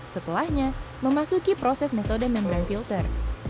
setelahnya memasuki proses metode membran filter